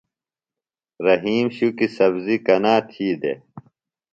رحیم شُکیۡ سبزیۡ کنا تھی دےۡ ؟